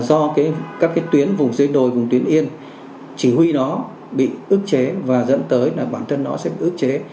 do các cái tuyến vùng dưới đồi vùng tuyến yên chỉ huy nó bị ức chế và dẫn tới là bản thân nó sẽ bị ức chế